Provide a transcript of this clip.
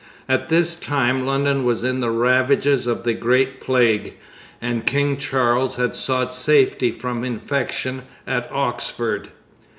At this time London was in the ravages of the Great Plague, and King Charles had sought safety from infection at Oxford.